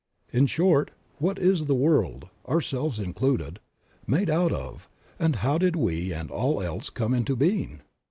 In short, what is the world, ourselves included, made out of, and how did we and all else come into being?